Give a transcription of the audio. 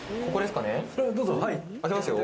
開けますよ。